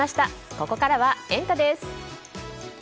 ここからはエンタ！です。